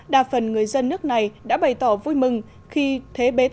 đa phần người dân nước này đã bày tỏ vui mừng khi thế bế